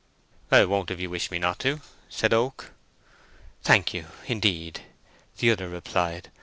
"I won't if you wish me not to," said Oak. "Thank you, indeed," the other replied.